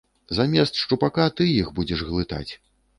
Замест шчупака ты іх будзеш глытаць.